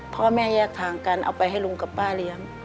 พ่อแม่แยกทางกันเอาไปให้ลุงกับป้าเลี้ยง